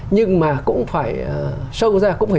nhưng mà cũng phải